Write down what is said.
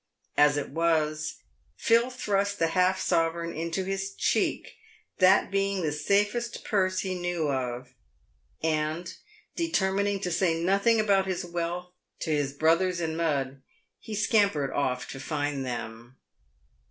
As it was, Phil thrust the half sovereign into hi§ cheek, that being the safest purse he knew of, and, determining to say nothing about his wealth to his brothers in mud, he scampered off to find them.